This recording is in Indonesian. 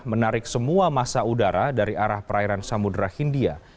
menarik semua masa udara dari arah perairan samudera hindia